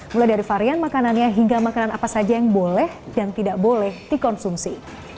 mulai dari varian makanannya hingga makanan apa saja yang boleh dan tidak boleh dikonsumsi